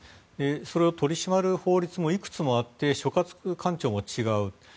それを取り締まる法律もいくつもあって所轄官庁も違う。